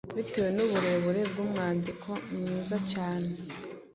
bitewe n’uburebure bw’umwandiko mwiza cyane